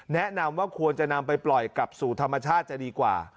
แนะนำว่าควรจะนำไปปล่อยกลับสู่ธรรมชาติจะดีกว่า